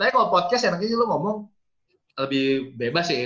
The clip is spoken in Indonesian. tapi kalau podcast ya nanti lu ngomong lebih bebas sih